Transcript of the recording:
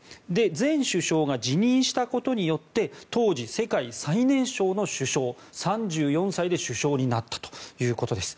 前首相が辞任したことによって当時、世界最年少の首相３４歳で首相になったということです。